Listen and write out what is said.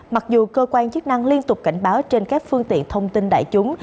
mặc dù cơ quan chức năng liên tục cảnh báo trên các phương tiện thông tin đại chúng